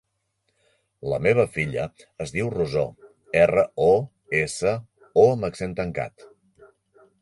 La meva filla es diu Rosó: erra, o, essa, o amb accent tancat.